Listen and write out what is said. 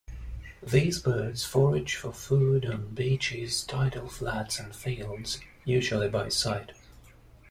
These birds forage for food on beaches, tidal flats and fields, usually by sight.